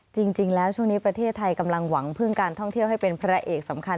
จริงแล้วช่วงนี้ประเทศไทยกำลังหวังพึ่งการท่องเที่ยวให้เป็นพระเอกสำคัญ